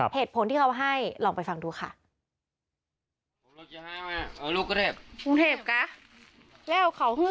เหตุผลที่เขาให้ลองไปฟังดูค่ะ